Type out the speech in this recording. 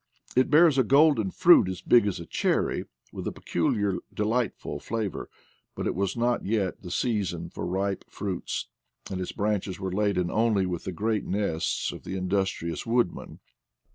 It bears a golden fruit as big as a cherry, \ with a peculiar delightful flavor, but it was not \ 16 IDLE DATS IN PATAGONIA: yet the season for ripe fruits, and its brandies were laden only with the great nests of the indus trious woodman.